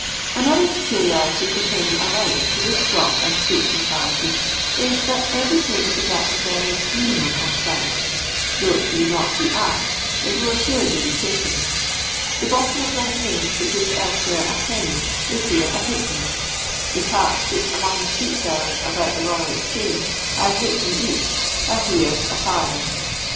Another peculiarity pertaining alike to this shop and street locality is, that everything is at the veriest minimum of price ; though it may not be asked, it will assuredly be taken. The bottle of lemonade which is elsewhere a penny is here a halfpenny. The tarts, which among the street sellers about the Eoyal Exchange are a halfpenny each, nre here a farthing.